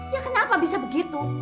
ya kenapa bisa begitu